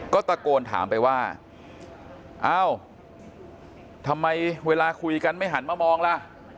ก็ตะโกนถามไปว่าเอ้าทำไมเวลาคุยกันไม่หันมามองล่ะ